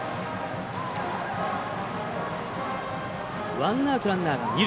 ワンアウト、ランナーが二塁。